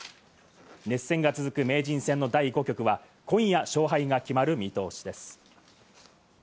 熱戦が続く名人戦の第５局は今夜、勝敗が決まる見通しです。